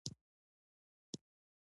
سنگ مرمر د افغانانو د ګټورتیا برخه ده.